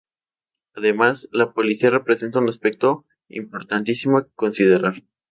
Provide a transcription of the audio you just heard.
Además, la política representa un aspecto importantísimo a considerar.